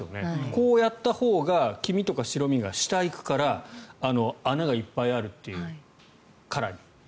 こうやったほうが黄身とか白身が下に行くから穴がいっぱいあるという、殻に。